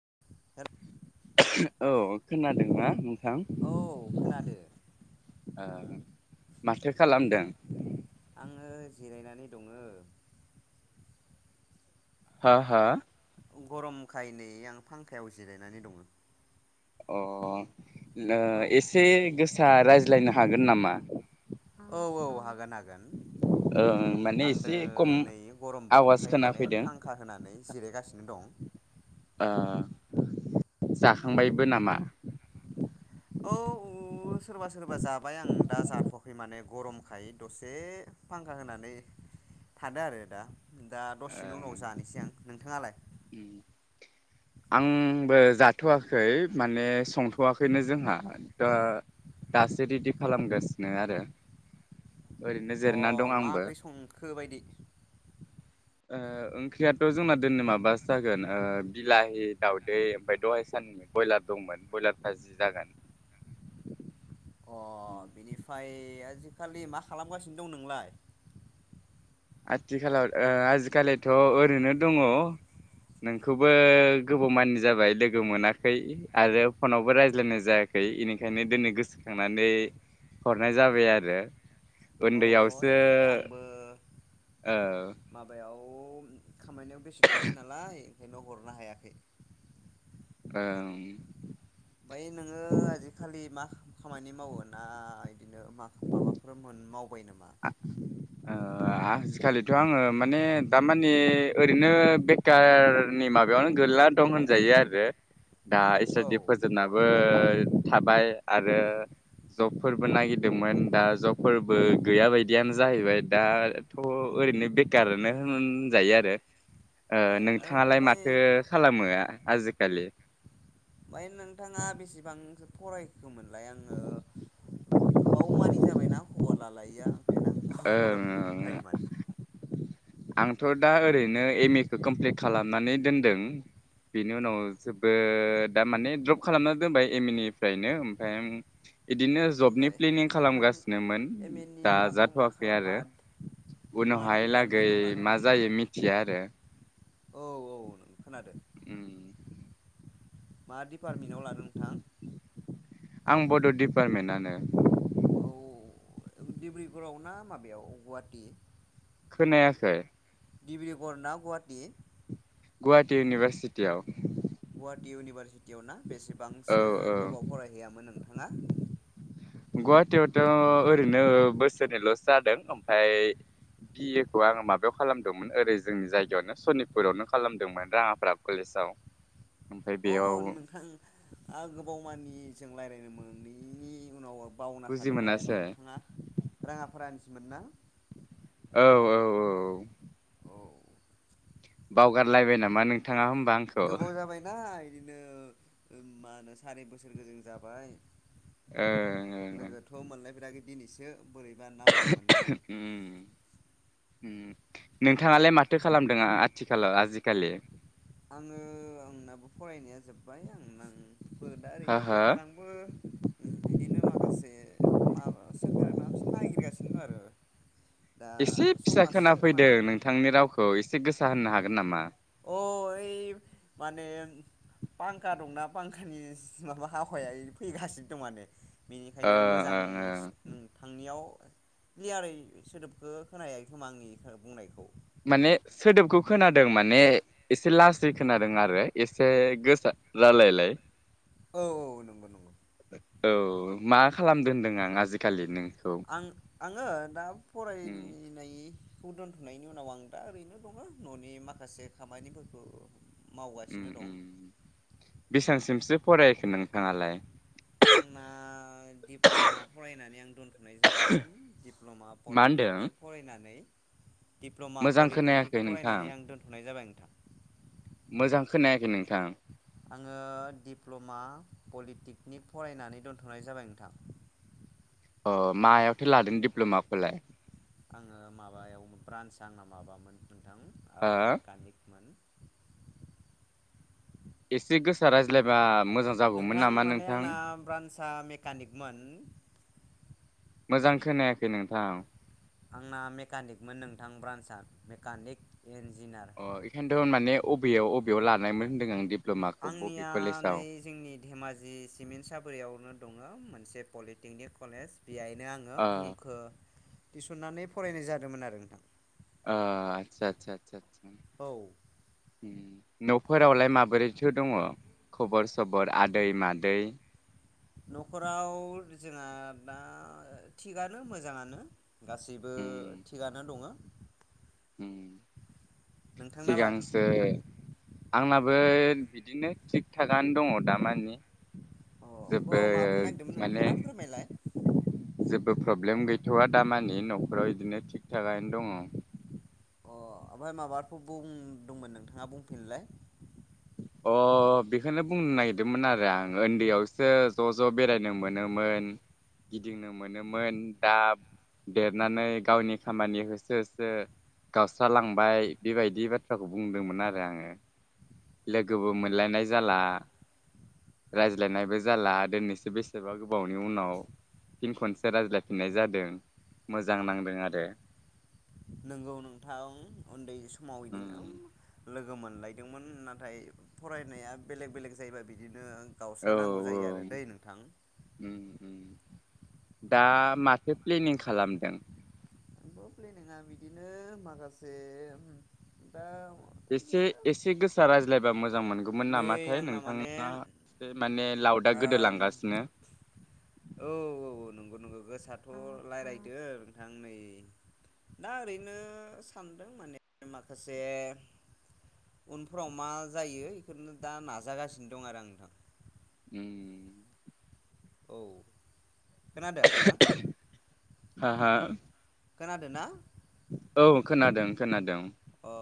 [unintelligible] [unintelligible] औ खोनादोंना? खोनादो [inaudible] माथो खालामदों? आङो जिरायनानै दङो। ह ह गरम खायनै आं फांखायाव जिरायनानै दङो। अ औ एसे आदसा रायज्लायनो हागोन नामा? औ औ हागोन हागोन। ओ माने आं दो एसे खम नै गरम आवाज बोथोरखाय माने खोनाफैदों फांखा होनानै जिरायगासिनो दं। जाखांबायबो नामा? औ सोरबा सोरबा जाबाय आं दा जाथ'वाखै माने गरमखाय दसे फांखा होनानै थादो आरो दा। दा दसेनि ओ उनाव जानोसै आं। नोंथाङालाय? आंबो जाथ'वाखै माने संथ'वाखैनो जोंहा दासो रेडि खालामगासिनो आरो। ओरैनो अ जिरना दं मा आंबो ओंख्रि संखो बायदि? ओंख्रियाथ' जोंना दोनै माबा जागोन बिलाहि दावदै ओमफ्राय दहाय साननि ब्रयलार दंमोन ब्रयलारफ्रा जि जागोन। अ बिनिफ्राय आजिखालि मा खालामगासिनो दं नोंलाय? आथिखालाव आजिखालिथ' ओरैनो दङ नोंखौबो गोबाव मानि जाबाय लोगो मोनाखै आरो फनावबो रायज्लायनाय जायाखै बेनिखायनो दिोनै गोसोखांनानै हरनाय जाबाय आरो। अ उन्दयावसो ओइ आंबो औ औ खामानिनाययाव बेसथ' थायो नालाय ओंखायनो हरनो हायाखै औ ओमफ्राय नोङो आजिखालि मा खामानि मावो ना बिदिनो माबाफोर मावबाय नामा? ओ आजिखालिथ' आङो माने थमाने ओरैनो बेखारनि माबायावनो गला दं होनजायो आरो। दा औ इसोरदि फोजोनाबो थाबाय आरो जबफोरबो नागिरदोंमोन दा जबफोरबो गैय बायदियानो जाहैबाय दा दाथ' ओरैनो बेखारनो होनजायो आरो ए नोंथाङालाय ओमफ्राय माथो खालामो आजिखालि? गौमोन। लाइ आङो गोबाव मानि जाबायना खबर लालायैया। ओंखायनो आं बावना मोनफायो ओं माने आंथ' दा ओरैनो एम एखौ कमप्लिट खालामनानै दोनदों बेनि उनाव जोबो दा माने द्रप खालामना दोनबाय एम ए निफ्रायनो ओमफ्राय ओ बिदिनो जबनि होमबाय प्लेनिं नोंथां खालामगासिनोमोन एम ए नि दा माबायाव मा जाथ'वाखै खालाम मा आरो मा उनावहाय लागै गै डिपार्टमेन्टाव लादों मा नोंथां? जायो मिथिया आरो औ औ नों खोनादों उम मा डिपार्टमेन्टाव लादों नोंथां आं बड' डिपार्टमेन्ट आनो औ डिब्रुगराव ना माबायाव गुवाहाटि खोनायाखै दिब्रिगर ना गुवाहाटि गुवाहाटि इउनिभारसिटियाव गुवाहाटि इउनिभारसिटियाव ना औ बेसेबांसो औ गोबाव फरायहैयामोन नोंथाङा गुवाहाटीयावथ' ओरैनो बोसोरनैल'सो जादों ओमफाय बि ए खौ आङो माबायाव खालामदोंमोन ओरै जोंनि जायगायावनो सनितपुरावनो खालामदोंमोन राङाफारा कलेजाव ओमफ्राय अ बेयाव नोंथां आ गोबाव मानि जों रायज्लायनो मोनैनि उनाव बावना बुजि थादों माने मोनासै नोंथाङा राङा फारानिनसमोन ना औ औ औ औ बावगारलायबाय नामा नोंथां थाङा होमबा आंखौ नो मा होनो सारि बोसोर गोजोन जाबाय ओं ओं लोगोथ' मोनलायफेराखै दिनैसो बोरै बा नाम्बार मोननानै उम नोंथाङालाय माथो खालामदों आथिखालाव आजिखालि आङो आंनाबो फरायनाया जोबबाय आं आंबो दा हो ओरैनो हो बेखार आंबो बिदिनो मा खासे माबा सोरखारि माबा मोनसे नायगिरगासिनो दं आरो दा एसे फिसा समासो खोना मा फैदों जागोन नोंथांनि रावखौ एसे गो सा होननो हागोन नामा ओ ओय माने फांखा दंना फांखानि माबा हावाया फैगासिनो दं माने ओ बेनिखायनो मोजां ओं ओं नोंथांनियाव क्लियारै सोदोबखौ खोनाहैयाखै खोमा आंनि बुंनायखौ माने सोदोबखौ खोनादों माने एसे लासै खोनादों आरो एसे गोसा रायलायलाय औ औ नंगौ नंगौ औ मा खालामदों होनदों आं आजिखालि नों आं आङो दा उम फरायनाय खौ दोनथ'नायनि उनाव आं दा ओरैनो दङ न'नि माखासे खामानिफोरखौ मावगासिनो उम्म दं उम्म बेसेबांसिमसो फरायखो नोंथाङालाय? आंना दिप्ल'मा फरायनानै आं दोन थनाय जाबाय दिडप्ल'मा मा होनदों पलिटेकनिक फरायनानै दिप्ल'मा मोजां पलिटेकनिक खोनायाखै नोंथां फरायनानै आं दोनथ'नाय जाबाय। नोंथां मोजां खोनायाखै नोंथां। आंङो दिप्ल'मा पलिटेकनि फरायनानै दोनथ'नाय जाबाय नोंथां। अ मायावथो लादों दिडप्ल'माखौलाय? आंङो माबायाव ब्रान्स आंना माबामोन नोंथां ओ हो मेकानिकमोन। एसे गोसा रायज्लाय बा मोजां जागौमोन नामा नोंथां? आ मेकानिकमोन। मोजां खोनायाखै नोंथां। आंना मेकानिकमोन नोंथां ब्रान्सआ मेकानिक। इन्जिनियार अ एखायन्थ' माने अबेयाव अबेयाव लानायमोन होन्दों आं दि आंनिया नै जोंनि धेमाजि सिमेन्ट सापरियावनो दङ मोन से पलिटेकनिक कलेज बेहायनो आंङो ओ मुंखो थिसननानै फरायनाय जादोंमोन आरो नोंथां। ओ आतसा आतसा आतसा औ उम्म। न'फोरावलाय माबोरैथो दङ खबर सबर आदै मादै? न'खराव जोंहा दा थिगानो मोजाङानो। गासैबो थिगानो दङ। उम्म। नोंथांनालाय सिगांसो आंनाबो बिदिनो थिग थागानो दङ दामानि अ औ जेबो मा बुंनो नागिरदोंमोन माने नोंथाङा फोरमायलाय। जेबो प्रब्लेम गैथ'वा दामानि न'खराव बिदिनो थिग थागानो दङ। अ ओमफ्राय माबाफोर बुंदोंमोन नोंथाङा बुंफिनलाय। अ बेखौनो बुंनो नागिरदोंमोन आरो आं ओन्दैयावसो ज' ज' बेरायनो मोनोमोन गिदिंनो मोनोमोन दा देरनानै गावनि खामानि होसो होसो गावस्रालांबाय बेबायदि बाथ्राखौ बुंदोंमोन आरो आंङो। लोगोबो मोनलायनाय जाला रायज्लायनायबो जाला दिनैसो बेसेबा गोबावनि उनाव फिन खनसे रायज्लायफिननाय जादों मोजां नांदों आरो। नोंगौ नोंथां उन्दै सम समाव बिदिनो उम लोगो मोनलायदोंमोन नाथाय फरायनाया बेलेग बेलेग जायोबा बिदि नो औ गावस्रा नांगौ जायो आरो दै नोंथां। उम उम दा माथो प्लेनिं खालामदों? आथ' प्लेनिंआ बिदिनो माखासे दा एसे बिदिनो एसे गोसा रायज्लायबा मोजां मोनगौमोन नै नामाथाय आंना माने ओ नोंथाङा एसे माने लावदा गोदोलांगासिनो। गुनग गोसाथ' रायज्लायदो नोंथां नै दा ओरैनो सानदों माने माखासे उनफ्राव मा जायो बेखौनो दा नाजागासिनो दं आरो आं नोंथां। उम औ खोनादों ना? हो हो खोनादों ना? औ खोनादों खोनादों। औ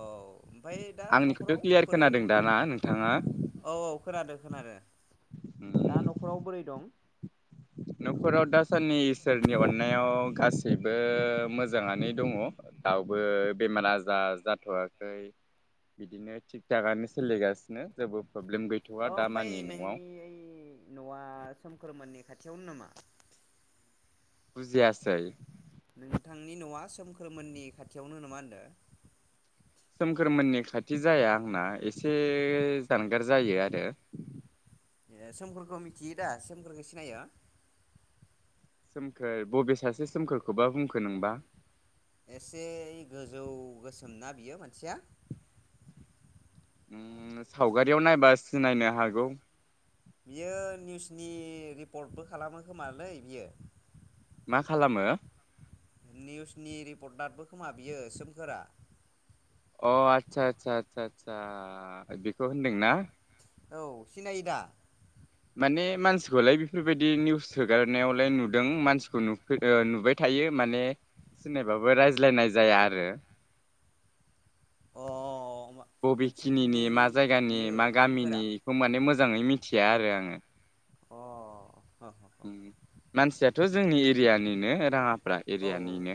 ओमफाय दा आंनिखौथ' न'खराव क्लियार बोरै? खोनादों दाना नोंथाङा औ औ खोनादो खोनादो। दा न'खराव बोरै दं? न'खराव दासादि इसोरनि अननायाव गासैबो मोजाङानो दङ दउबो बेमार आजार जाथ'वाखै बिदिनो थिग थाकनो सोलिगासिनो जबो। अ ओमफ्राय नोंनि ओइ न'आ सोमखोरोमोननि खाथ थियावनो नामा? बुजियासै? नोंथांनि न'आ सोमखोरमोननि खाथियावनो नामा होनदों? सोमखोरमोननि खाथि जाया आंना एसे जानगार जायो आरो। सोमखोरखौ मिथियो दा सोमखोरखौ सिनायो? सोमखोर बबे सासे सोमखोरखौबा बुंखो नोंबा? एसे गोजौ गोसोम ना बियो मानसिया। उम सावगारियाव नायबा सिनायनो हागौ। नि रिपर्टबो खालामो खोमालै बियो। मा खालामो? निउसनि रिपर्टारबो खोमा बियो सोमखोरा। अ आस्सा आसा आसा आसा बेखौ होनदोंना? औ सिनायो दा? माने मानसिखौलाय बेफोरबायदि निउस होगारनायावलाय नुदों मानसिखौ नुफेर-ओ-नुबाय थायो माने सिनायबाबो रायज्लायनाय जाया आरो। अ बबेखिनि नोंसिनिथिंनि मा जायगानि बियो मा सोमखोरा गामिनि बेखौ माने मोजाङै मिथि मिथिया आरो आङो। अ ह ह ह उ मानसिया। थ' जोंनि एरियानिनो राङा फारा औ औ एरियानिनो।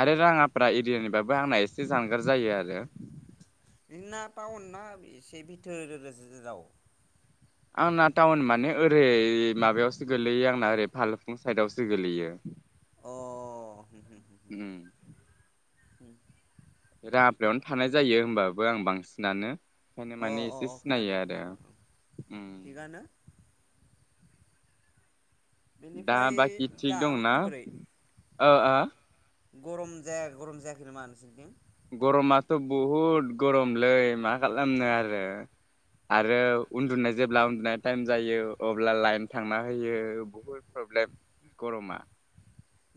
आरो राङाफारा एरियानिबाबो आंना एसे जानगार जायो आरो। नोंना टाउन ना एसे बिथोर र रजाव? आंना टाउन माने ओरै माबायावसो गोल्लैयो आंना ओरै फालुफुं साइदआवसो गोलैयो अ उ‌म उम उम। [inaudible] रांङाफ्रायावनो थानाय जायो होमबाबो आं बांसिनानो ओंखायनो अ माने एसे अ सिनायो खोनादों आरो खोनादों औ उम। थिगानो दा बेनिफ्राय बाखि थिग दा दंना बोरै ओ ओ। गरम जाया गरम जायाखै नामा नोंसोरथिं। गरमाथ' बहुद गरमलै मा खालामनो आरो आरो उन्दुनाय जेब्ला उन्दुनाय टाइम जायो अब्ला लाइन थांना होयो बहुद प्रब्लेम गरमा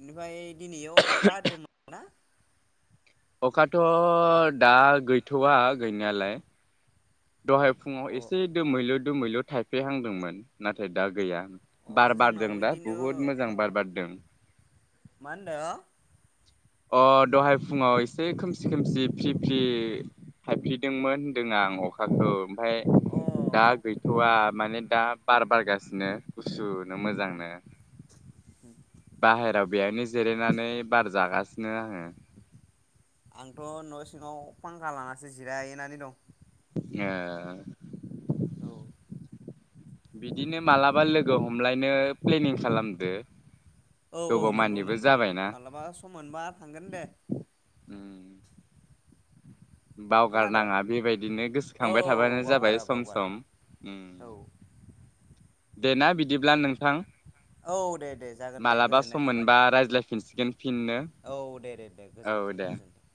निफ्राय दिनै याव अखा हदोंमोन ना। अखाथ' दा गैथ'वआ गैनायालाय दहाय फुङाव अ एसे दोमैलु दोमैल' थाइफ्रि हांदोंमोन नाथाय दा गैया। अ बार बारदों जोंनावबो दा बिदिनो बुहुद मोजां बार बारदों। मा होनदों अ दहाय फुङाव एसे खोमसि खोमसि फ्रि फ्रि थायफ्रिदोंमोन होन्दों आं अखाखौ ओमफ्राय अ दा गैथवा! माने दा बार बारगासिनो गुसुनो मोजांनो बाहेरायाव बेहायनो जिरायनानै बार जागासिनो। नो आङो। आंथ न सिङाव फांखा लानासो जिरायनानै दं। ए। औ बिदिनो मालाबा लोगो हमलायनो प्लेनिं खालामदो औ औ गोबाव नंगौ मानिबो नंगौ जाबायना माब्लाबा सम मोनबा थांगोन दे। उम। खोनादों बावगारनाङा बेबायदिनो औ गोसोखांबाय थाबानो जाबाय बावगारा सम बावगारा सम। औ दे ना बिदिब्ला नों थां औ दे दे जागोन दे मालाबा गोजोननाय सम थाबाय मोनबा रायज्लाय खसिकोन [inaudible] औ दे दे दे गोजोनथों दे गोजोनथों।